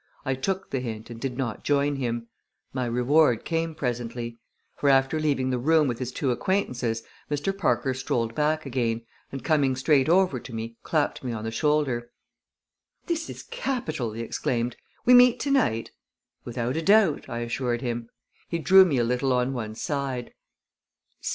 I took the hint and did not join him. My reward came presently; for, after leaving the room with his two acquaintances, Mr. Parker strolled back again, and coming straight over to me clapped me on the shoulder. "This is capital!" he exclaimed. "We meet tonight?" "Without a doubt," I assured him. He drew me a little on one side.